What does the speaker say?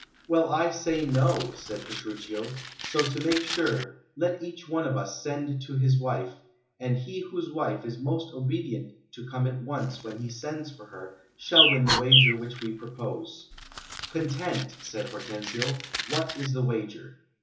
"Well, I say no," said Petruchio. "So to make sure, let each one of us send to his wife, and he whose wife is most obedient to come at once when he sends for her, shall win the wager which we will propose." "Content," said Hortensio. "What is the wager?"